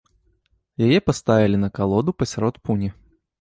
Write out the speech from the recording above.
Яе паставілі на калоду пасярод пуні.